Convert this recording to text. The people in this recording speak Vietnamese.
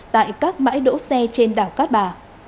tại các bãi đỗ xe trên đảo cát bà